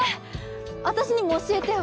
私にも教えてよ